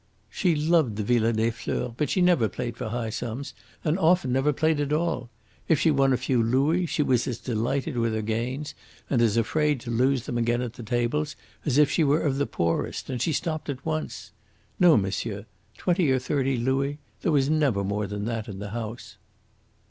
"She loved the Villa des Fleurs, but she never played for high sums and often never played at all. If she won a few louis, she was as delighted with her gains and as afraid to lose them again at the tables as if she were of the poorest, and she stopped at once. No, monsieur; twenty or thirty louis there was never more than that in the house."